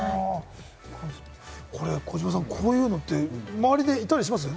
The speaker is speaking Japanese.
児嶋さん、こういうのって周りでいたりします？